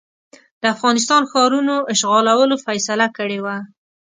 د افغانستان ښارونو اشغالولو فیصله کړې وه.